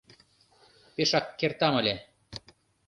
— Пешак кертам ыле.